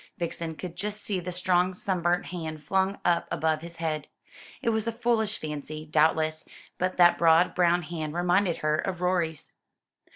Vixen could just see the strong sunburnt hand flung up above his head. It was a foolish fancy, doubtless, but that broad brown hand reminded her of Rorie's.